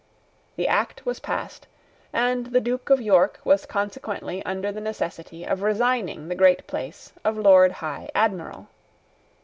The act was passed; and the Duke of York was consequently under the necessity of resigning the great place of Lord High Admiral.